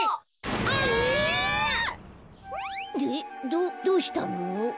どどうしたの？